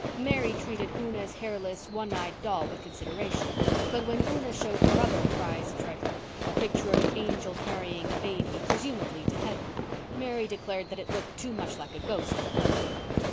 Mary treated Una's hairless, one eyed doll with consideration; but when Una showed her other prized treasure—a picture of an angel carrying a baby, presumably to heaven, Mary declared that it looked too much like a ghost for her.